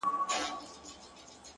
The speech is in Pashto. اوس هم زما د وجود ټوله پرهرونه وايي _